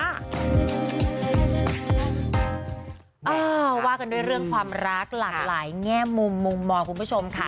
ว่ากันด้วยเรื่องความรักหลากหลายแง่มุมมุมมองคุณผู้ชมค่ะ